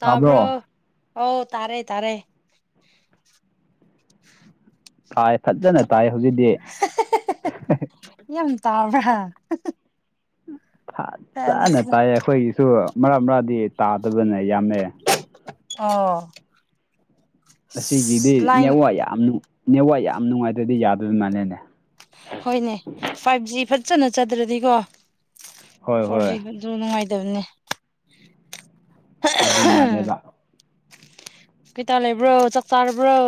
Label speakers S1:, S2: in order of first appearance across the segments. S1: ꯇꯥꯕ꯭ꯔꯣ
S2: ꯍꯣꯏ ꯇꯥꯔꯦ ꯇꯥꯔꯦ
S1: ꯊꯥꯏ ꯐꯖꯅ ꯇꯥꯏ ꯍꯧꯖꯤꯛꯗꯤ
S2: [inaudible] ꯌꯥꯝ ꯇꯥꯕ꯭ꯔ
S1: ꯆꯥꯅ ꯇꯥꯏꯌꯦ ꯑꯩꯈꯣꯏꯒꯤꯁꯨ ꯃꯔꯛ ꯃꯔꯛꯗꯤ ꯇꯥꯗꯕꯅꯦ ꯌꯥꯝꯃꯦ
S2: ꯑꯣ
S1: ꯑꯁꯤꯒꯤꯗꯤ
S2: ꯂꯥꯏꯟ
S1: ꯅꯥꯋꯥ ꯌꯥꯝ ꯅꯥꯋꯥ ꯌꯥꯝ ꯅꯨꯡꯉꯥꯏꯇ꯭ꯔꯗꯤ ꯌꯥꯗꯣꯏ ꯃꯥꯜꯂꯦꯅꯦ
S2: ꯍꯣꯏꯅꯦ ꯐꯥꯏꯚ ꯖꯤ ꯐꯖꯅ ꯆꯗ꯭ꯔꯗꯤꯀꯣ
S1: ꯍꯣꯏ
S2: ꯐꯣꯔ
S1: ꯍꯣꯏ
S2: ꯖꯤ ꯑꯗꯨ ꯅꯨꯡꯉꯥꯏꯇꯕꯅꯤ
S1: ꯑꯗꯨ ꯃꯅꯦꯕ
S2: ꯀꯩꯇꯥ ꯂꯩꯕ꯭ꯔꯣ ꯆꯥꯛ ꯆꯥꯔꯕ꯭ꯔꯣ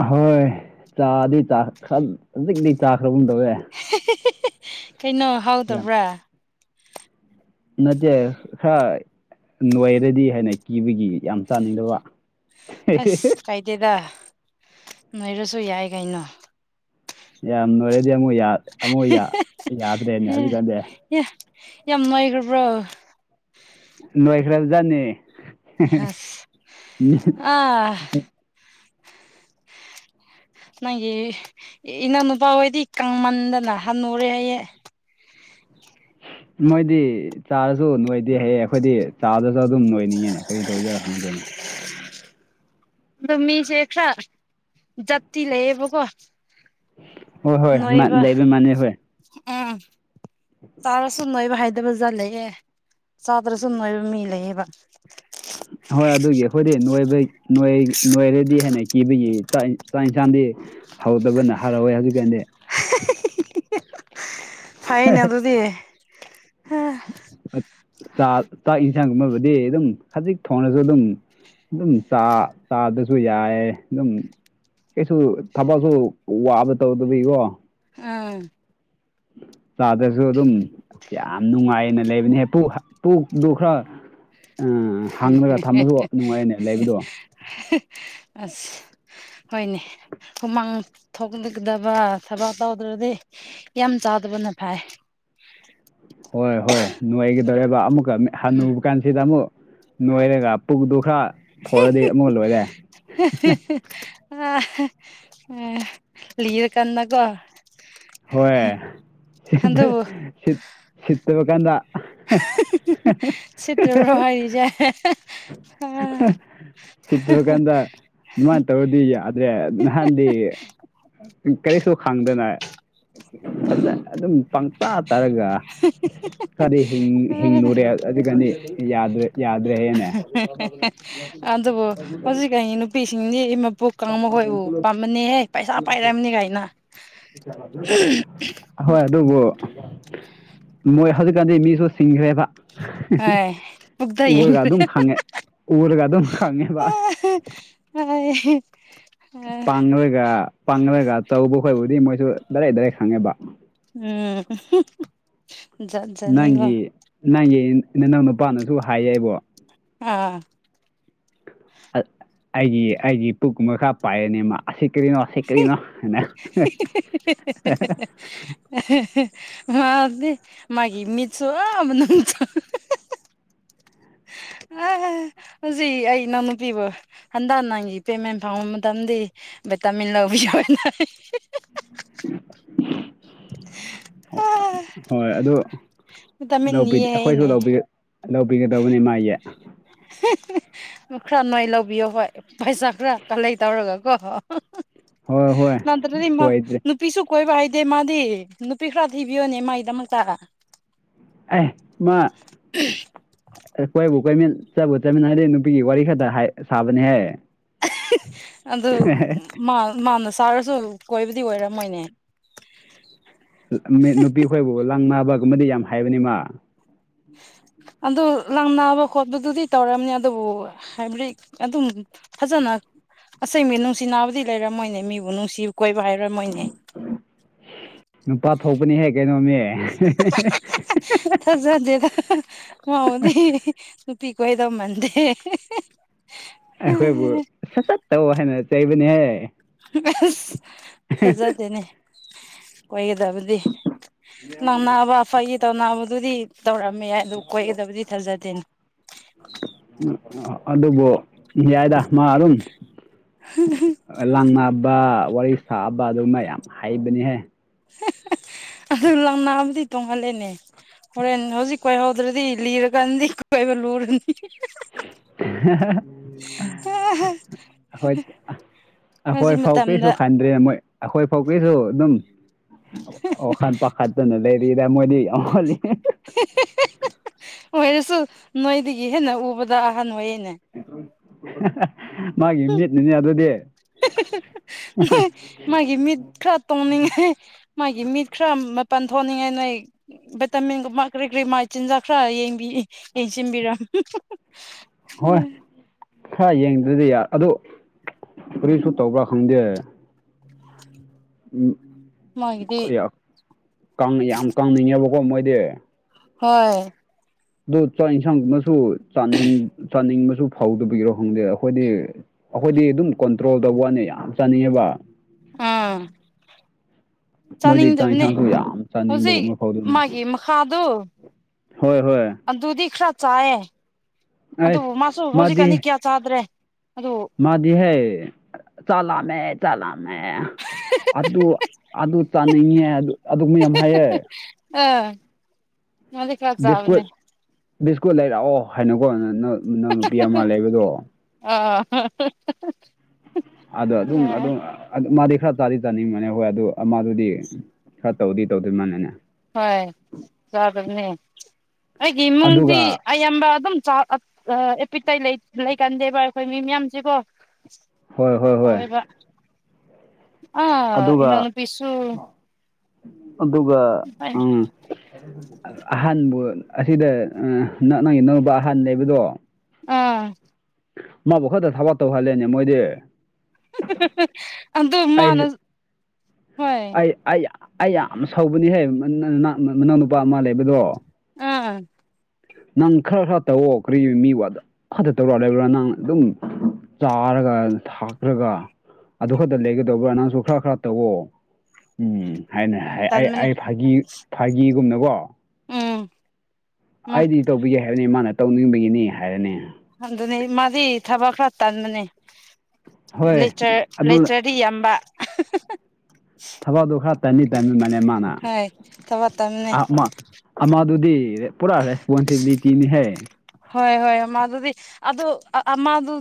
S1: ꯑꯍꯣꯏ ꯆꯥꯗꯤ ꯈ ꯍꯧꯖꯤꯛꯇꯤ ꯆꯥꯈ꯭ꯔꯒꯨꯝꯗꯧꯋꯦ
S2: ꯀꯩꯅꯣ
S1: ꯌꯥꯝ
S2: ꯍꯥꯎꯗꯕ꯭ꯔꯥ
S1: ꯅꯠꯇꯦ ꯈꯔ ꯅꯣꯏꯔꯗꯤ ꯍꯥꯏꯅ ꯀꯤꯕꯒꯤ ꯌꯥꯝ ꯆꯥꯅꯤꯡꯗꯕ
S2: ꯑꯁ ꯀꯥꯏꯗꯦꯗ ꯅꯣꯏꯔꯁꯨ ꯌꯥꯏ ꯀꯩꯅꯣ
S1: ꯌꯥꯝ ꯂꯣꯏꯔꯗꯤ ꯑꯃꯨ ꯑꯃꯨꯛ ꯌꯥꯗ꯭ꯔꯦꯅꯦ ꯍꯧꯖꯤꯛꯀꯥꯟꯗꯤ
S2: ꯏ ꯌꯥꯝꯅꯨꯡꯉꯥꯏꯈ꯭ꯔꯕ꯭ꯔꯣ
S1: ꯂꯣꯏꯈ꯭ꯔꯕꯖꯥꯠꯅꯤ
S2: ꯑꯁ ꯑꯥ ꯅꯪꯒꯤ ꯏꯅꯥꯎꯅꯨꯄꯥ ꯍꯣꯏꯗꯤ ꯀꯪꯃꯟꯗꯅ ꯍꯅꯨꯔꯦ ꯍꯥꯏꯌꯦ
S1: ꯃꯣꯏꯗꯤ ꯆꯥꯔꯁꯨ ꯅꯣꯏꯗꯦ ꯍꯥꯏꯌꯦ ꯑꯩꯈꯣꯏꯗꯤ ꯆꯥꯗꯁꯨ ꯑꯗꯨꯝ ꯅꯣꯏꯅꯤꯡꯉꯦꯅꯦ ꯀꯔꯤ ꯇꯧꯖꯤꯔꯥ ꯈꯪꯗꯦꯅꯦ
S2: ꯑꯗꯣ ꯃꯤꯁꯦ ꯈꯔ ꯖꯥꯠꯇꯤ ꯂꯩꯌꯦꯕꯀꯣ
S1: ꯍꯣꯏ ꯍꯣꯏ ꯃꯥ
S2: ꯅꯣꯏꯕ
S1: ꯂꯩꯕ ꯃꯥꯟꯅꯩ ꯍꯣꯏ
S2: ꯎꯝ ꯇꯁꯨ ꯁꯨꯝ ꯅꯣꯏꯕ ꯍꯥꯏꯗꯕ ꯖꯥꯠ ꯂꯩꯑꯦ ꯆꯥꯗ꯭ꯔ ꯁꯨꯝ ꯅꯣꯏꯕ ꯃꯤ ꯂꯩꯌꯦꯦꯕ
S1: ꯍꯣꯏ ꯑꯗꯨꯒꯤ ꯑꯩꯈꯣꯏꯗꯤ ꯅꯣꯏꯕꯣꯏ ꯅꯣꯏꯔꯗꯤ ꯍꯦꯟꯅ ꯀꯤꯕꯒꯤꯥꯛ ꯆꯥꯛ ꯌꯦꯟꯁꯥꯡꯗꯤ ꯍꯧꯗꯕꯅ ꯍꯔꯥꯎꯋꯦ ꯍꯧꯖꯤꯛ ꯀꯥꯟꯗꯤ
S2: ꯍ [inaudible] [unintelligible] ꯐꯩꯅꯦ ꯑꯗꯨꯗꯤ
S1: ꯆꯥꯛ ꯆꯥꯛ ꯌꯦꯟꯁꯥꯡꯒꯨꯝꯕꯕꯨꯗꯤ ꯑꯗꯨꯝ ꯍꯧꯖꯤꯛ ꯊꯣꯡꯅꯁꯨ ꯑꯗꯨꯝ ꯑꯗꯨꯝ ꯆꯥꯗꯁꯨ ꯌꯥꯏ ꯑꯗꯨꯝ ꯀꯩꯁꯨ ꯊꯕꯛꯁꯨ ꯋꯥꯕ ꯇꯧꯗꯕꯒꯤ ꯀꯣ
S2: ꯎꯝ
S1: ꯆꯥꯗꯁꯨ ꯑꯗꯨꯝ ꯌꯥꯝ ꯅꯨꯡꯉꯥꯏꯅ ꯂꯩꯕꯅꯦ ꯄꯨꯛ ꯄꯨꯛꯇꯣ ꯈꯔ ꯑ ꯍꯥꯡꯉꯒ ꯊꯝꯕꯁꯨ ꯅꯨꯡꯉꯥꯏꯌꯦꯅꯦ ꯂꯩꯕꯗꯣ
S2: [unintelligible] ꯑꯁ ꯍꯣꯏꯅꯦ ꯍꯨꯃꯥꯡ ꯊꯣꯛꯗꯕ ꯊꯕꯛ ꯇꯧꯗ꯭ꯔꯗꯤ ꯌꯥꯝ ꯆꯥꯎꯗꯕꯅ ꯐꯥꯏ
S1: ꯍꯣꯏ ꯍꯣꯏ ꯅꯅꯨꯡꯉꯥꯏꯒꯗꯧꯦꯕ ꯑꯃꯨꯛꯀ
S2: ꯎꯝ
S1: ꯍꯨꯕ ꯀꯥꯟꯁꯤ ꯑꯁꯤꯗ ꯑꯃꯨꯛ ꯅꯣꯏꯔꯒ ꯄꯨꯛꯗꯨ ꯈꯔ ꯐꯧꯔꯗꯤ ꯑꯃꯨꯛ ꯂꯣꯏꯔꯦ
S2: ꯑꯥ [unintelligible] [inaudible] ꯎꯝ [inaudible] ꯂꯔ ꯀꯥꯟꯅꯀꯣ
S1: ꯍꯣꯏ ꯁꯤꯠꯇ ꯁꯤꯠꯇꯕ ꯀꯥꯟꯗ
S2: ꯁꯤꯇꯕ ꯍꯔꯖ
S1: ꯁꯤꯠꯇꯨꯔꯀꯥꯟꯗ ꯑꯗꯨꯃꯥꯏꯅ ꯇꯧꯔꯗꯤ ꯌꯥꯗ꯭ꯔꯦ ꯅꯍꯥꯟꯗꯤ ꯀꯔꯤꯁꯨ ꯈꯪꯗꯅ [inaudible] ꯑꯗꯨꯝ ꯄꯪꯆꯥꯥ ꯆꯥꯔꯒ ꯈꯗꯤ ꯍꯤꯡ ꯍꯤꯡꯂꯨꯔꯦ ꯑꯗꯨꯒꯗꯤ ꯌꯥꯗ꯭ꯔꯦ ꯌꯥꯗ꯭ꯔꯦ ꯍꯥꯏꯌꯦꯅꯦ
S2: [unintelligible] ꯑꯗꯨꯕꯨ ꯍꯧꯖꯤꯛ ꯀꯥꯟꯒꯤ ꯅꯨꯄꯤꯁꯤꯡꯗꯤ ꯏꯃ ꯄꯨꯛ ꯀꯥꯡꯕ ꯈꯣꯏꯕꯨ ꯄꯥꯝꯕꯅꯦꯍꯦ ꯄꯩꯁꯥ ꯄꯥꯏꯔꯝꯅꯦ ꯀꯥꯏꯅ [unintelligible]
S1: ꯍꯣꯏ ꯑꯗꯨꯕꯨ ꯃꯣꯏ ꯍꯧꯖꯤꯛꯀꯥꯟꯗꯤ ꯃꯤꯁꯨ ꯁꯤꯡꯈ꯭ꯔꯦꯕ
S2: ꯍꯣꯏ ꯄꯨꯛꯇ ꯌꯦꯡ
S1: ꯎꯔꯒ ꯑꯗꯨꯝ ꯈꯪꯉꯦ
S2: [unintelligible]
S1: ꯎꯔꯒ ꯑꯗꯨꯝ ꯈꯪꯉꯦꯕ
S2: [unintelligible]
S1: ꯄꯥꯡꯂꯒ ꯄꯥꯡꯂꯒ ꯇꯧꯕ ꯈꯣꯏꯕꯨꯗꯤ ꯃꯣꯏꯁꯨ ꯗꯥꯔꯦꯛ ꯗꯥꯔꯦꯠ ꯈꯪꯉꯦꯕ
S2: ꯎꯝ [unintelligible] ꯖꯥꯠ ꯖꯥꯠꯅꯤꯀꯣ
S1: ꯅꯪꯒꯤ ꯅꯪꯒꯤ ꯅꯅꯥꯎ ꯅꯨꯄꯥꯅꯁꯨ ꯍꯥꯏꯌꯦ ꯑꯩꯕꯨ
S2: ꯑꯥ
S1: ꯑ ꯑꯩꯒꯤ ꯑꯩꯒꯤ ꯄꯨꯛꯃꯈꯥ ꯄꯥꯏꯌꯦꯅꯦ ꯃꯥ ꯑꯁꯤ ꯀꯔꯤꯅꯣ ꯑꯁꯤ ꯀꯔꯤꯅꯣ ꯅ [unintelligible]
S2: [unintelligible] ꯃꯥꯗ ꯃꯥꯒꯤ ꯃꯤꯠꯁꯨ ꯑꯥ ꯃꯅꯨꯡ [unintelligible]
S1: [inaudible]
S2: ꯑ ꯍꯧꯖꯤ ꯑꯩ ꯏꯅꯥꯎꯅꯨꯄꯤꯕꯨ ꯍꯟꯗ ꯅꯪꯒꯤ ꯄꯦꯃꯦꯟ ꯐꯪꯕ ꯃꯇꯝꯗꯤ ꯚꯤꯇꯥꯃꯤꯟ ꯂꯧꯕꯤꯌꯣꯅ [unintelligible] ꯑꯥ
S1: [unintelligible] ꯍꯣꯏ ꯑꯗꯨ
S2: ꯚꯤꯇꯥꯃꯤꯟ
S1: ꯂꯧꯕꯤ
S2: ꯅꯤꯌꯦ ꯍꯥꯏꯅꯦ
S1: ꯑꯩꯈꯣꯏꯁꯨ ꯂꯧꯕꯤ ꯂꯧꯕꯤꯒꯗꯧꯕꯅꯤ ꯃꯥꯥꯒꯤ
S2: ꯈꯔ ꯅꯣꯏ ꯂꯧꯕꯤꯌꯣ ꯍꯣꯏ ꯄꯩꯁꯥ ꯈꯔ ꯀꯂꯦꯛ ꯇꯧꯔꯒꯀꯣ
S1: ꯍꯣꯏ ꯍꯣꯏ
S2: ꯅꯠꯇ꯭ꯔꯗꯤ ꯃꯥ
S1: ꯁꯣꯏꯗ꯭ꯔꯦ
S2: [unintelligible] ꯅꯨꯄꯤꯁꯨ ꯀꯣꯏꯕ ꯍꯩꯗꯦ ꯃꯥꯗꯤ ꯅꯨꯄꯤ ꯈꯔ ꯊꯤꯕꯤꯌꯣꯅꯦ ꯃꯥꯒꯤꯗꯃꯛꯇ
S1: ꯑꯩ ꯃꯥ [inaudible] ꯀꯣꯏꯕꯨ ꯀꯣꯏꯃꯤꯟ ꯆꯠꯕꯨ ꯆꯠꯃꯤꯟꯅꯔꯗꯤ ꯅꯨꯄꯤꯒꯤ ꯋꯥꯔꯤ ꯈꯇ ꯁꯥꯕꯅꯦꯍꯦ
S2: ꯑꯗꯨ ꯃꯥꯅ ꯁꯥꯔꯁꯨ ꯀꯣꯏꯕꯗꯤ ꯑꯣꯏꯔꯝꯃꯣꯏꯅꯦ
S1: [unintelligible] ꯅꯨꯄꯤꯈꯣꯏꯕꯨ ꯂꯪꯅꯕꯒꯨꯝꯕꯗꯤ ꯌꯥꯝ ꯍꯩꯕꯅꯦ ꯃꯥ
S2: ꯑꯗꯨ ꯂꯪ ꯅꯥꯕ ꯈꯣꯠꯄꯗꯨꯗꯤ ꯇꯧꯔꯝꯅꯤ ꯑꯗꯨꯕꯨ ꯍꯥꯏꯕꯗꯤ ꯑꯗꯨꯝ ꯐꯖꯅ ꯑꯁꯦꯡꯕꯩ ꯅꯨꯡꯁꯤ ꯅꯥꯕꯗꯤ ꯂꯩꯔꯝꯃꯣꯏꯅꯦ ꯃꯤꯕꯨ ꯅꯨꯡꯁꯤꯕ ꯀꯣꯏꯕ ꯍꯩꯔꯝꯃꯣꯏꯅꯦ
S1: ꯅꯨꯄꯥ ꯊꯣꯛꯄꯅꯤꯍꯦ ꯀꯩꯅꯣꯃꯤ [unintelligible]
S2: ꯊꯥꯖꯗꯦꯗ ꯉꯥꯎꯗꯤ ꯅꯨꯄꯤ ꯀꯣꯏꯒꯗꯧꯕ ꯃꯟꯗꯦ
S1: ꯑꯩꯈꯣꯏꯕꯨ ꯁꯠ ꯁꯠꯇꯧ ꯍꯥꯏꯅ ꯆꯩꯕꯅꯤꯍꯦ
S2: ꯑꯁ ꯊꯖꯗꯦꯅꯦ ꯀꯣꯏꯒꯗꯕꯗꯤ ꯅꯪꯅꯕ ꯐꯒꯤ ꯇꯧꯅꯕꯗꯨꯗꯤ ꯇꯧꯔꯝꯃꯦ ꯌꯥꯏ ꯑꯗꯨ ꯀꯣꯏꯒꯗꯕꯗꯤ ꯊꯥꯖꯗꯦꯅꯦ
S1: ꯑꯗꯨꯕꯨ ꯌꯥꯏꯗ ꯃꯥꯔꯨꯝ
S2: [unintelligible]
S1: ꯂꯥꯡꯅꯕ ꯋꯥꯔꯤ ꯁꯥꯕ ꯑꯗꯨ ꯃꯌꯥꯝ ꯍꯩꯕꯅꯤꯍꯦ
S2: ꯑꯗꯨ ꯂꯪꯅꯥꯕꯗꯤ ꯇꯣꯡꯍꯜꯂꯦꯅꯦ ꯍꯣꯔꯦꯟ ꯍꯧꯖꯤꯛ ꯀꯣꯏꯍꯧꯗ꯭ꯔꯗꯤ ꯂꯤꯔꯀꯥꯟꯗꯤ ꯀꯣꯏꯕ ꯂꯨꯔꯅꯤ
S1: [unintelligible] ꯑꯩꯈꯣꯏ ꯑꯁ
S2: ꯍꯧꯖꯤꯛ
S1: ꯑꯩꯈꯣꯏ ꯐꯥꯎ
S2: ꯃꯇꯝꯗ
S1: ꯀꯔꯤꯁꯨ ꯈꯟꯗ꯭ꯔꯦ ꯃꯣꯏ ꯑꯩꯈꯣꯏ ꯐꯥꯎꯒꯤꯁꯨ ꯑꯗꯨꯝ ꯋꯥꯈꯟ ꯄꯥꯈꯠꯇꯅ ꯂꯩ [unintelligible] ꯃꯣꯏꯗꯤ [unintelligible]
S2: [unintelligible] ꯑꯣꯏꯔꯁꯨ ꯅꯣꯏꯗꯒꯤ ꯍꯦꯟꯅ ꯎꯕꯗ ꯑꯍꯟ ꯑꯣꯏꯌꯦꯅꯦ
S1: [inaudible] ꯃꯥꯒꯤ ꯃꯤꯠꯅꯅꯦ ꯑꯗꯨꯗꯤ
S2: [unintelligible] ꯃꯥꯒꯤ ꯃꯤꯠ ꯈꯔ ꯇꯣꯡꯅꯤꯡꯉꯥꯏ ꯃꯥꯒꯤ ꯃꯤꯠ ꯈꯔ ꯃꯄꯥꯟ ꯊꯣꯛꯅꯤꯡꯉꯥꯏ ꯅꯣꯏ ꯚꯤꯇꯥꯃꯤꯟꯒꯨꯝꯕ ꯀꯔꯤ ꯀꯔꯤ ꯃꯥꯏ ꯆꯤꯟꯖꯥꯛ ꯈꯔ ꯌꯦꯡꯕꯤ ꯌꯦꯡꯁꯤꯟꯕꯤꯔꯝ [unintelligible]
S1: ꯍꯣꯏ ꯈꯔ ꯌꯦꯡꯗ꯭ꯔꯗꯤ ꯌꯥ ꯑꯗꯨ ꯀꯔꯤꯁꯨ ꯇꯧꯕ꯭ꯔꯥ ꯈꯪꯗꯦ
S2: [unintelligible]
S1: ꯎꯝ
S2: ꯃꯥꯒꯤꯗꯤ
S1: ꯈꯌꯥꯛ ꯀꯪꯅꯤ ꯌꯥꯝꯅ ꯀꯪꯅꯤꯡꯉꯦꯕꯀꯣ ꯃꯣꯏꯗꯤ
S2: ꯍꯣꯏ
S1: ꯑꯗꯣ ꯆꯥꯛ ꯌꯦꯟꯁꯥꯡꯒꯨꯝꯅꯁꯨ ꯆꯥꯅꯤꯡ ꯆꯥꯅꯤꯡꯕꯁꯨ ꯐꯧꯗꯕꯤꯔꯣ ꯈꯪꯗꯦ ꯑꯩꯈꯣꯏꯗꯤ ꯑꯩꯈꯣꯏꯗꯤ ꯑꯗꯨꯝ ꯀꯟꯇ꯭ꯔꯣꯜ ꯇꯧꯕ ꯋꯥꯅꯤ ꯌꯥꯝ ꯆꯥꯅꯤꯡꯉꯦꯕ
S2: ꯑꯥ
S1: ꯃꯣꯏꯗꯤ ꯆꯥꯛ
S2: ꯆꯥꯅꯤꯡꯗꯕꯅꯦ
S1: ꯏꯟꯁꯥꯡꯁꯨ ꯌꯥꯝ
S2: ꯍꯧꯖꯤꯛ
S1: ꯆꯥꯅꯤꯡꯕꯒꯨꯝꯕ ꯐꯥꯎꯗꯨꯔꯃꯅꯦ
S2: ꯃꯥꯒꯤ ꯃꯈꯥꯗꯨ
S1: ꯍꯣꯏ ꯍꯣꯏ
S2: ꯑꯗꯨꯗꯤ ꯈꯔ ꯆꯥꯏꯌꯦ
S1: ꯑꯩꯁ
S2: ꯑꯗꯨꯕꯨ ꯃꯥꯁꯨ ꯍꯧꯖꯤꯛꯀꯥꯟꯗꯤ ꯀꯌꯥ ꯆꯥꯗ꯭ꯔꯦ ꯑꯗꯨ
S1: ꯃꯥꯗꯤ ꯍꯦ ꯆꯥ ꯂꯥꯝꯃꯦ ꯆꯥ ꯂꯥꯝꯃꯦ ꯑꯗꯨ ꯑꯗꯨ ꯆꯥꯅꯤꯡꯉꯦ ꯑꯗꯨ ꯃꯌꯥꯝ ꯍꯥꯏꯌꯦ
S2: ꯑꯥ ꯃꯥꯗꯤ ꯈꯔ ꯆꯥꯕꯅꯦ
S1: ꯕꯤꯁꯀꯨꯠ ꯕꯤꯁꯀꯨꯠ ꯂꯩꯔꯛꯑꯣ ꯍꯥꯏꯅꯀꯣ ꯅꯅ ꯅꯅꯥꯎ ꯅꯨꯄꯤ ꯑꯃ ꯂꯩꯕꯗꯣ
S2: ꯑ [unintelligible]
S1: ꯑꯗꯣ ꯑꯗꯨꯝ ꯑꯗꯨꯝ ꯃꯥꯗꯤ ꯈꯔ ꯇꯥꯗꯤ ꯆꯥꯅꯤꯡꯕꯅꯦ ꯍꯣꯏ ꯑꯗꯨ ꯃꯥꯗꯨꯗꯤ ꯈꯔ ꯇꯧꯗꯤ ꯇꯧꯗꯣꯏ ꯃꯥꯜꯂꯦꯅꯦ
S2: ꯍꯣꯏ ꯆꯗꯕꯅꯦ ꯑꯩꯒꯤ ꯏꯃꯨꯡꯗꯤ
S1: ꯑꯗꯨꯒ
S2: ꯑꯩ ꯑꯌꯥꯝꯕ ꯑꯗꯨꯝ ꯑꯦꯄꯤꯛꯇꯩ ꯂꯩꯀꯟꯗꯦꯕ ꯑꯩꯈꯣꯏ ꯃꯤ ꯃꯌꯥꯝꯁꯤꯀꯣ
S1: ꯍꯣꯏ ꯍꯣꯏ ꯍꯣꯏ
S2: ꯑꯥ
S1: ꯑꯗꯨꯒ
S2: ꯏꯅꯥꯎꯅꯨꯄꯤꯁꯨ
S1: ꯑꯗꯨꯒ ꯎꯝ ꯑꯍꯥꯟꯕꯕꯨ ꯑꯁꯤꯗ ꯅ ꯅꯪꯒꯤ ꯅꯧꯕ ꯑꯍꯥꯟꯕ ꯂꯩꯕꯗꯣ
S2: ꯑꯥ
S1: ꯃꯥꯕꯨ ꯈꯔꯗ ꯊꯕꯛ ꯇꯧꯍꯜꯂꯦꯅꯦ ꯃꯣꯏꯗꯤ
S2: ꯑꯗꯨ ꯃꯥꯅ
S1: ꯑꯩ
S2: ꯍꯣꯏ
S1: ꯑꯩ ꯑꯩ ꯌꯥ ꯑꯩ ꯌꯥꯝ ꯁꯧꯕꯅꯤꯍꯦ ꯃꯅꯥꯅꯅ ꯃꯅꯥꯎꯅꯨꯄꯥ ꯑꯃ ꯂꯩꯕꯗꯣ
S2: ꯑꯥ
S1: ꯅꯪ ꯈꯔ ꯈꯔ ꯇꯧꯑꯣ ꯀꯔꯤ ꯃꯤ ꯋꯥꯗ ꯐꯠꯇ ꯇꯧꯔ ꯂꯩꯕ꯭ꯔꯥ ꯅꯪ ꯑꯗꯨꯝ ꯆꯥꯔꯒ ꯊꯥꯛꯈ꯭ꯔꯒ ꯑꯗꯨ ꯈꯛꯇ ꯂꯩꯒꯗꯧꯕ꯭ꯔꯥ ꯅꯪꯁꯨ ꯈꯔ ꯈꯔ ꯇꯧꯋꯣ ꯎꯝ ꯍꯥꯏꯅ ꯑꯩ
S2: ꯇꯟꯕꯅꯦ
S1: ꯑꯩ ꯐꯥꯒꯤ ꯐꯥꯒꯤꯒꯨꯝꯅꯀꯣ
S2: ꯎꯝ ꯃꯥ
S1: ꯑꯩꯗꯤ ꯇꯧꯕꯤꯒꯦ ꯍꯥꯏꯕꯅꯤ ꯃꯥꯅ ꯇꯧꯅꯤꯡꯕꯒꯤꯅꯤ ꯍꯥꯏꯔꯅꯤ
S2: ꯑꯗꯨꯅꯤ ꯃꯥꯗꯤ ꯊꯕꯛ ꯈꯔ ꯇꯟꯕꯅꯦ
S1: ꯍꯣꯏ
S2: ꯂꯩꯇ꯭ꯔꯠ
S1: ꯑꯗꯨ
S2: ꯂꯩꯇ꯭ꯔꯠ ꯔꯤꯌꯥꯝꯕ
S1: ꯊꯕꯛꯗꯨ ꯈꯔ ꯇꯟꯗꯤ ꯇꯟꯕꯅꯦ ꯃꯥꯅ
S2: ꯍꯣꯏ ꯊꯕꯛ ꯇꯟꯕꯅꯦ
S1: ꯑꯥ ꯑꯃ ꯑꯃꯗꯨꯗꯤ ꯄꯨꯔꯥ ꯔꯦꯁꯄꯣꯟꯁꯤꯕꯤꯂꯤꯇꯤꯅꯤꯍꯦ
S2: ꯍꯣꯏ ꯍꯣꯏ ꯃꯥ ꯑꯗꯨꯗꯤ ꯑꯗꯨ ꯑ ꯑꯃꯗꯨ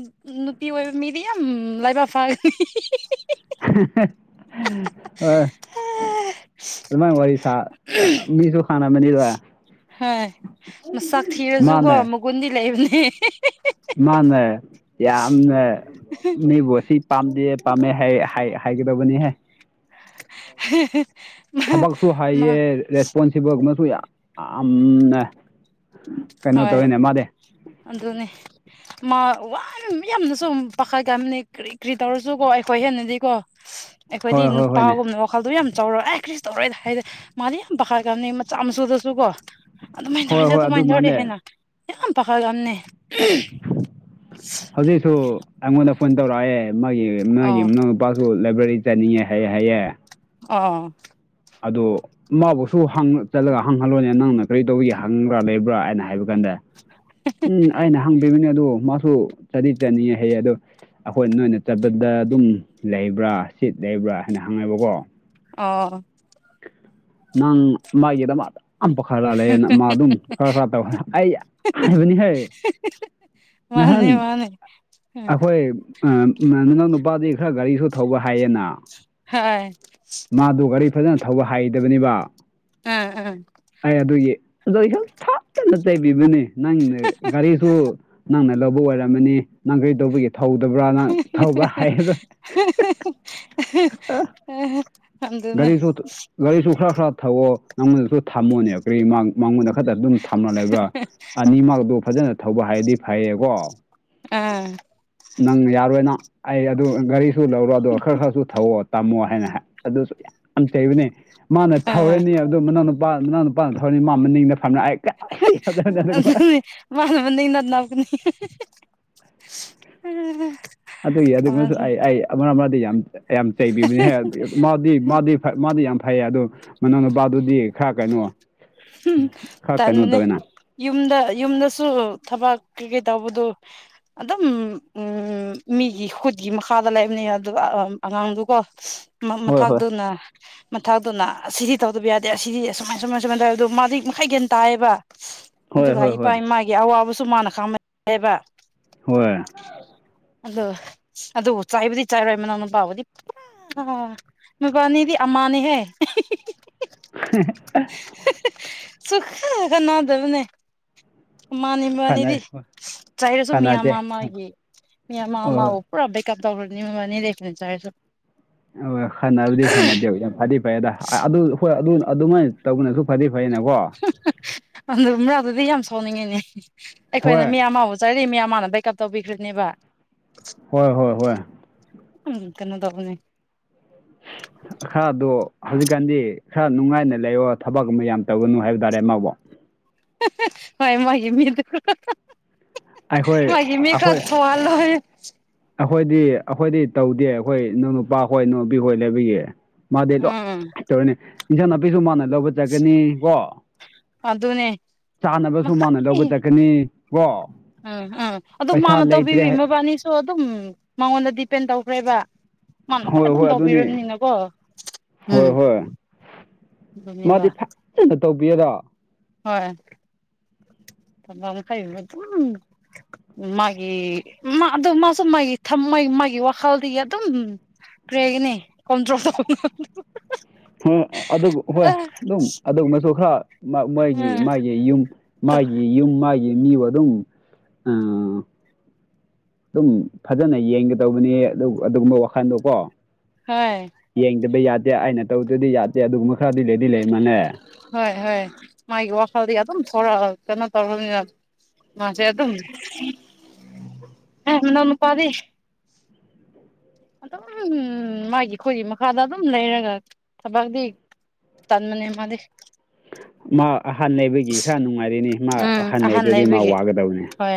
S2: ꯅꯨꯄꯤ ꯑꯣꯏꯕ ꯃꯤꯗꯤ ꯌꯥꯝ ꯂꯥꯏꯕꯛ ꯐꯒꯅꯤ
S1: ꯍꯣꯏ ꯑꯗꯨꯃꯥꯏꯅ ꯋꯥꯔꯤ ꯁꯥ ꯃꯤꯁꯨ ꯍꯥꯟꯅꯝꯃꯅꯤꯗ
S2: ꯍꯣꯏ ꯃꯁꯥꯛ ꯊꯤꯔꯁꯨꯀꯣ ꯃꯒꯨꯟꯗꯤ ꯂꯩꯕꯅꯦ
S1: ꯃꯥꯅ ꯌꯥꯝꯅ ꯃꯤꯕꯨ ꯎꯁꯤꯠ ꯄꯥꯝꯗꯦ ꯄꯥꯝꯃꯦ ꯍꯥꯏ ꯍꯥꯏꯒꯗꯕꯅꯤꯍꯦ
S2: [unintelligible]
S1: ꯊꯕꯛꯁꯨ
S2: ꯃꯥ
S1: ꯍꯥꯏꯌꯦ ꯔꯦꯁꯄꯣꯟꯁꯤꯕꯜꯒꯨꯝꯕꯁꯨ ꯌꯥꯝ ꯌꯥꯝꯅ ꯀꯩꯅꯣ
S2: ꯍꯣꯏ
S1: ꯇꯧꯋꯅꯦ ꯃꯥꯅꯦ
S2: ꯑꯗꯨꯅꯦ ꯃꯥ ꯋꯥꯅ ꯌꯥꯝꯅꯁꯨ ꯄꯥꯈꯠꯀꯕꯅꯤ ꯀꯔꯤ ꯀꯔꯤ ꯇꯧꯔꯁꯨ ꯀꯣ ꯑꯩꯈꯣꯏ ꯍꯦꯟꯅꯗꯤ ꯀꯣ
S1: ꯎ
S2: ꯑꯩꯈꯣꯏꯗꯤ ꯅꯨꯄꯥꯒꯨꯝꯕ ꯋꯥꯈꯜꯗꯣ ꯌꯥꯝ ꯆꯥꯎꯔ ꯑꯦ ꯀ꯭ꯔꯤꯁ ꯇꯧꯔꯣꯏꯗ ꯍꯥꯏꯗꯤꯦ ꯃꯥꯗꯤ ꯌꯥꯝ ꯄꯥꯈꯥꯔ ꯀꯥꯅꯤ ꯃꯆꯥ ꯃꯁꯨꯗꯁꯨ ꯀꯣ ꯑꯗꯨ
S1: ꯍꯣꯏ
S2: ꯃꯥꯏꯣꯦ
S1: ꯍꯣꯏ
S2: ꯑꯗꯨ ꯃꯥꯏ
S1: ꯃꯥꯅꯦ
S2: ꯌꯥꯝ ꯄꯥꯈꯠꯂꯝꯅꯤ
S1: ꯍꯧꯖꯤꯛꯁꯨ ꯑꯩꯉꯣꯟꯗ ꯐꯣꯟ ꯇꯧꯔꯛꯑꯦ ꯃꯥꯒꯤ ꯃꯥꯒꯤ
S2: ꯑꯣ
S1: ꯃꯅꯥꯎꯅꯨ ꯅꯨꯄꯥꯁꯨ ꯂꯥꯏꯕꯦꯔꯤ ꯆꯠꯅꯤꯡꯉꯦ ꯍꯥꯏꯌꯦ ꯍꯥꯏꯌꯦ
S2: ꯑꯣ
S1: ꯑꯗꯣ ꯃꯥꯕꯨꯁꯨ ꯍꯡ ꯆꯠꯂꯒ ꯍꯡꯍꯜꯂꯣꯅꯦ ꯅꯪꯅ ꯀꯔꯤ ꯇꯧꯕꯒꯤ ꯍꯪꯕ꯭ꯔꯥ ꯂꯩꯕ꯭ꯔꯥ ꯑꯩꯅ ꯍꯥꯏꯕ ꯀꯟꯗꯦ ꯎꯝ ꯑꯩꯅ ꯍꯪꯕꯤꯕꯅꯦ ꯑꯗꯨ ꯃꯥꯁꯨ ꯆꯗꯤ ꯆꯠꯅꯤꯡꯉꯦ ꯍꯥꯏꯌꯦ ꯑꯗꯣ ꯑꯩꯈꯣꯏ ꯅꯣꯏꯅ ꯆꯠꯄꯗ ꯑꯗꯨꯝ ꯂꯩꯕ꯭ꯔꯥ ꯁꯤꯠ ꯂꯩꯕ꯭ꯔꯥ ꯍꯥꯏꯅ ꯍꯪꯉꯦꯕꯀꯣ
S2: ꯑꯣ
S1: ꯅꯪ ꯃꯥꯒꯤꯗꯃꯛ ꯌꯥꯝ ꯄꯥꯈꯠꯍꯜꯂꯦꯅ ꯃꯥ ꯑꯗꯨꯝ ꯈꯔ ꯈꯔ ꯇꯧ ꯑꯩ ꯍꯥꯏꯕꯅꯤꯍꯦ
S2: [unintelligible]
S1: ꯅꯍꯥꯟ
S2: ꯃꯥꯟꯅꯦ ꯃꯥ ꯅꯦ
S1: ꯑꯩꯈꯣꯏ ꯑ ꯅꯅꯥꯎ ꯅꯨꯄꯥꯗꯤ ꯈꯔ ꯒꯥꯔꯤꯁꯨ ꯊꯧꯕ ꯍꯥꯏꯌꯦꯅ
S2: ꯍꯣꯏ
S1: ꯃꯥꯗꯨ ꯒꯥꯔꯤ ꯐꯖꯅ ꯊꯧꯕ ꯍꯩꯇꯕꯅꯤꯕ
S2: ꯑ ꯑ
S1: ꯑꯩ ꯑꯗꯨꯒꯤ ꯑꯗꯣ ꯑꯩ ꯊꯥꯞꯇꯅ ꯆꯩꯕꯤꯕꯅꯦ ꯅꯪꯅ ꯒꯥꯔꯤꯁꯨ ꯅꯪꯅ ꯂꯧꯕ ꯑꯣꯏꯔꯝꯃꯅꯤ ꯅꯪ ꯀꯩꯗꯧꯕꯒꯤ ꯊꯧꯗꯕ꯭ꯔꯥ ꯅꯪ ꯊꯧꯕ꯭ꯔꯥ ꯍꯥꯏꯔꯔꯣꯏ
S2: [unintelligible]
S1: ꯑꯣ
S2: ꯑꯗꯨꯅꯦ
S1: ꯒꯥꯔꯤꯁꯨ ꯒꯥꯔꯤꯁꯨ ꯈꯔ ꯈꯔ ꯊꯧꯑꯣ ꯅꯪꯉꯣꯟꯗꯁꯨ ꯊꯝꯃꯨꯅꯦ ꯀꯔꯤ ꯃꯥꯡ ꯃꯥꯡꯉꯨꯟꯅ ꯈꯛꯇ ꯑꯗꯨꯝ ꯊꯝꯅ ꯂꯩꯕ꯭ꯔꯥ ꯑꯅꯤꯃꯛꯛꯇꯣ ꯐꯖꯅ ꯊꯧꯕ ꯍꯩꯔꯗꯤ ꯐꯩꯌꯦꯀꯣ
S2: ꯑꯥ
S1: ꯅꯪ ꯌꯥꯔꯣꯏꯅ ꯑꯩ ꯑꯗꯨ ꯒꯥꯔꯤꯁꯨ ꯂꯧꯔꯣ ꯑꯗꯨꯒ ꯈꯔ ꯈꯔꯁꯨ ꯊꯧꯑꯣ ꯇꯝꯃꯣ ꯍꯥꯏꯅ ꯍꯥꯏ ꯑꯗꯨꯁꯨ ꯌꯥꯝ ꯆꯩꯕꯅꯦ ꯃꯥꯅ
S2: ꯑꯥ
S1: ꯊꯧꯔꯅꯤ ꯑꯗꯣ ꯃꯅꯥꯎ ꯅꯨꯄꯥ ꯃꯅꯥꯎ ꯅꯨꯄꯥꯅ ꯊꯧꯔꯅꯤ ꯃꯥ ꯃꯅꯤꯡꯗ ꯐꯝꯔꯥꯏꯠ
S2: ꯅꯦ [unintelligible] ꯃꯥꯟꯅꯕꯅꯤꯅ ꯅꯣꯛꯀꯅꯤ
S1: ꯑꯗꯨꯒꯤ ꯑꯗꯨꯅꯁꯨ ꯑꯩ ꯑꯩ ꯑꯃ ꯑꯃꯗ ꯌꯥꯝ ꯌꯥꯝ ꯆꯩꯕꯤꯕꯅꯤꯍꯦ ꯗꯤ ꯃꯥꯗꯤ ꯐꯩ ꯃꯥꯗꯤ ꯌꯥꯝ ꯐꯩꯌꯦ ꯑꯗꯨ ꯃꯅꯥꯎꯅꯨꯄꯥꯗꯨꯗꯤ ꯈꯔ ꯀꯩꯅꯣ ꯈꯔ ꯀꯩꯅꯣ
S2: ꯇꯟꯕꯅꯦ
S1: ꯇꯧꯋꯦꯅ
S2: ꯌꯨꯝꯗ ꯌꯨꯝꯗꯁꯨ ꯊꯕꯛ ꯀꯩ ꯀꯩ ꯇꯧꯕꯗꯨ꯫ ꯑꯗꯨꯝ ꯎꯝ ꯃꯤꯒꯤ ꯈꯨꯨꯠꯒꯤ ꯃꯈꯥꯗ ꯂꯩꯕꯅꯦ ꯌꯗꯕꯀꯣ ꯑꯉꯥꯡꯗꯨꯀꯣ꯫
S1: ꯍꯣꯏ ꯍꯣꯏ
S2: ꯃꯊꯥꯛꯇꯨꯅ ꯃꯊꯇꯨꯅ ꯑꯁꯤꯗꯤ ꯇꯧꯗꯕ ꯌꯥꯗꯦ ꯑꯁꯤꯗꯤ ꯑꯁꯨꯃꯥꯏ ꯁꯨꯃꯥꯏ ꯁꯃꯥꯏꯅ ꯇꯧ꯫ ꯑꯗꯨ ꯃꯥꯗꯤ ꯃꯈꯩꯒ ꯇꯥꯏꯑꯕ
S1: ꯍꯣꯏ
S2: ꯑꯗꯨꯒ
S1: ꯍꯣꯏ
S2: ꯏꯄꯥ
S1: ꯍꯣꯏ
S2: ꯏꯃꯥꯒꯤ꯫ ꯒꯤ ꯑꯋꯥꯕꯁꯨ ꯃꯥꯅ ꯈꯪꯅꯦꯕ꯫
S1: ꯍꯣꯏ꯫
S2: ꯑꯗꯣ ꯑꯗꯨ ꯆꯥꯏꯕꯗꯤ ꯆꯥꯏꯔꯣ ꯃꯅꯥ ꯅꯨꯄꯕꯗꯤ ꯐꯅ꯫ ꯃꯕꯥꯅꯤꯗꯤ ꯑꯃꯥꯅꯤꯍꯦ꯫
S1: ꯍ [unintelligible]
S2: ꯁꯨꯛꯈꯠ ꯈꯠꯅꯗꯕꯅꯦ ꯃꯥꯅꯤ
S1: ꯈꯅ
S2: ꯃꯥꯅꯤꯗꯤ ꯆꯩꯥꯔꯁꯨ ꯃꯤ
S1: ꯈꯥꯟꯅꯗꯦ
S2: ꯑꯃ ꯑꯃꯒꯤ ꯃꯤ ꯑꯃ
S1: ꯍꯣꯏ
S2: ꯑꯃꯕꯨ ꯄꯨꯔꯥ ꯕꯦꯛꯀꯞ ꯇꯧꯒ꯭ꯔꯅꯤ ꯃꯕꯥꯏꯅꯤꯗꯤ ꯄ꯭ꯔꯤꯟꯇꯔꯁꯨ
S1: ꯍꯣꯏ ꯈꯟꯅꯕꯨꯗꯤ ꯈꯟꯅꯗꯦ ꯌꯥꯝ ꯐꯗꯤ ꯐꯩꯌꯦ ꯑꯗ ꯑꯗꯨ ꯍꯣꯏ ꯑꯗꯨꯅ ꯑꯗꯨꯃꯥꯏꯅ ꯇꯧꯕꯅꯁꯨ ꯐꯗꯤ ꯐꯩꯌꯦꯅꯀꯣ
S2: ꯑꯗꯨꯝꯔꯥꯎꯗꯗꯤ ꯌꯥꯝ ꯁꯥꯎꯅꯤꯡꯉꯤꯅꯦ ꯑꯩꯈꯣꯏꯅ
S1: ꯍꯣꯏ
S2: ꯃꯤ ꯑꯃꯕꯨ ꯆꯔꯤ ꯃꯤꯌꯥꯝ ꯃꯥꯟꯅꯕꯩ ꯕꯦꯛꯀꯞ ꯇꯧꯕꯤꯈ꯭ꯔꯅꯦꯕ
S1: ꯍꯣꯏ ꯍꯣꯏ ꯍꯣꯏ꯫
S2: ꯎꯝ ꯀꯩꯅꯣ ꯇꯧꯕꯅꯦ꯫
S1: ꯎ꯫ ꯈꯔꯗꯣ ꯍꯧꯖꯤꯛꯀꯥꯟꯗꯤ ꯈꯔ ꯅꯨꯡꯉꯥꯏꯅ ꯂꯩꯔꯣ ꯊꯕꯛꯀꯨꯝꯕ ꯌꯥꯝ ꯇꯧꯒꯅꯨ ꯍꯥꯏꯕ ꯇꯥꯔꯦ ꯃꯥꯕꯣ꯫
S2: ꯍꯣꯏ ꯃꯥꯒꯤ ꯃꯤꯗꯨ
S1: ꯑꯩꯈꯣꯏ
S2: ꯃꯥꯒꯤ ꯃꯤ ꯈꯔ
S1: ꯑꯩꯈꯣꯏ
S2: ꯊꯋꯥꯜꯂꯣꯏꯌꯦ꯫
S1: ꯑꯩꯈꯣꯏꯗꯤ ꯑꯩꯈꯣꯏꯗꯤ ꯇꯧꯗꯦ ꯑꯩꯈꯣꯏ ꯏꯎ ꯅꯨꯄꯥ ꯍꯣꯏ ꯏꯎꯄꯤꯈꯣꯏ ꯂꯩꯕꯒꯤ꯫ ꯃꯥꯗꯤ
S2: ꯎꯝ
S1: ꯇꯧꯔꯅꯦ ꯏꯟꯁꯥꯡ ꯅꯥꯄꯤꯁꯨ ꯃꯥꯅ ꯂꯧꯕ꯫ ꯆꯠꯅꯤ ꯀꯣ
S2: ꯑꯗꯨꯅꯦ
S1: ꯆꯥꯅꯕꯁꯨ ꯃꯥꯅ ꯂꯧꯕ
S2: ꯃꯈꯩ
S1: ꯆꯠ꯫ ꯀꯅꯤ ꯀꯣ꯫
S2: ꯎꯝ ꯎꯝ ꯑꯗꯨꯝ
S1: ꯄꯩꯁꯥ
S2: ꯃꯥꯅ ꯇꯧꯕꯤꯕꯤ
S1: ꯂꯩꯇ꯭ꯔꯦ
S2: ꯃꯕꯥꯅꯤꯁꯨ ꯑꯗꯨꯝ ꯃꯉꯣꯟꯗ ꯗꯤꯄꯦꯟ ꯇꯧꯈ꯭ꯔꯦꯕ꯫ ꯃꯥ ꯃꯈꯥꯏ
S1: ꯍꯣꯏ
S2: ꯑꯗꯨꯝ
S1: ꯍꯣꯏ ꯑꯗꯨꯅꯤ
S2: ꯇꯧꯕꯤꯔꯝꯅꯤꯅꯀꯣ ꯎꯝ
S1: ꯍꯣꯏ ꯍꯣꯏ
S2: ꯑꯗꯨꯅꯦꯕ꯫
S1: ꯃꯥꯗꯤ ꯐꯖꯅ ꯇꯧꯕꯤꯑꯦꯕ꯫
S2: ꯍꯣꯏ ꯊꯃꯝ ꯈꯥꯏ ꯗꯨꯝ꯫ ꯃꯥꯒꯤ ꯃꯥ ꯑꯗꯨ ꯃꯥꯁꯨ ꯃꯥꯒꯤ ꯃꯥ ꯃꯥꯒꯤ ꯋꯥꯈꯜꯗꯤ ꯑꯗꯨꯝ꯫ ꯀ꯭ꯔꯦꯒꯅꯤ ꯀꯣꯝꯗ꯭ꯔꯣꯝ ꯫
S1: ꯑꯗꯨ ꯍꯣꯏ ꯑꯗꯨꯝ ꯑꯗꯨ ꯃꯁꯨ ꯃꯣꯏꯒꯤ
S2: ꯎꯝ
S1: ꯃꯥꯒꯤ ꯌꯨꯝ꯫ ꯃꯥꯒꯤ ꯌꯨꯝ ꯃꯥꯒꯤ ꯃꯤꯕꯨ ꯑꯗꯨꯝ ꯑ꯫ ꯑꯗꯨꯝ ꯐꯖꯅ ꯌꯦꯡꯒꯗꯧꯕꯅꯤ ꯑꯗꯨ ꯑꯗꯨꯒꯨꯝꯕ ꯋꯥꯈꯟꯗꯣꯀꯣ꯫
S2: ꯍꯣꯏ꯫
S1: ꯌꯦꯡꯗꯕ ꯌꯥꯗꯦ ꯑꯩꯅ ꯇꯧꯗꯗꯤ ꯌꯥꯗꯦ ꯑꯗꯨꯒꯨꯝꯕ ꯈꯔꯗꯤ ꯂꯩꯗꯤ ꯂꯩ ꯃꯥꯜꯂꯦ꯫
S2: ꯍꯣꯏ ꯍꯣꯏ ꯃꯥꯒꯤ ꯋꯥꯈꯜꯗꯤ ꯑꯗꯨꯝ ꯊꯣꯔꯛꯑ ꯀꯩꯅꯣ ꯇꯧꯔꯕꯅꯤꯅ꯫ ꯃꯥꯁꯦ ꯑꯗꯨꯝ ꯃꯅꯣ ꯅꯨꯄꯥꯗꯤ꯫ ꯑꯗꯨꯝ ꯃꯥꯒꯤ ꯑꯩꯈꯣꯏꯒꯤ ꯃꯈꯥꯗ ꯑꯗꯨꯝ ꯂꯩꯔꯒ ꯊꯕꯗꯤ꯫ ꯇꯟꯃꯅꯦ ꯃꯥꯗꯤ꯫
S1: ꯃꯥ ꯑꯍꯟ ꯂꯩꯕꯒꯤ ꯈꯔ ꯅꯨꯡꯉꯥꯏꯔꯤꯅꯤ ꯃꯥ
S2: ꯎꯝ
S1: ꯑꯍꯟ ꯂꯩꯗꯗꯤ ꯃꯥ
S2: ꯂꯩꯕꯒꯤ
S1: ꯋꯥꯒꯗꯕꯅꯤ꯫
S2: ꯍꯣꯏ